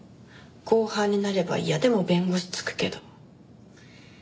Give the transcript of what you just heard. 公判になれば嫌でも弁護士つくけど。